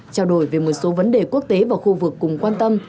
trao đổi về một số vấn đề quốc tế và khu vực cùng quan tâm